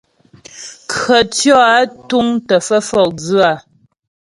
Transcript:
Krəcwɔ́ á túŋ tə́ fə́ fɔkdzʉ á ?